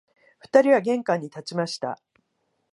二人は玄関に立ちました